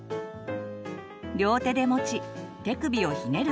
両手で持ち手首をひねる